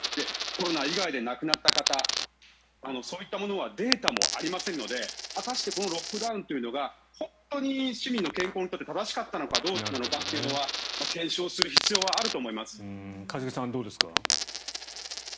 コロナ以外で亡くなった方そういったものはデータもありませんので果たしてこのロックダウンというのが本当に市民の健康のために正しかったのかどうなのかというのは一茂さん、どうですか？